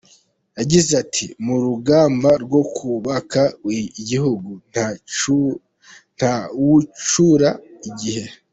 Yagize ati “Mu rugamba rwo kubaka igihugu, nta wucyura igihe.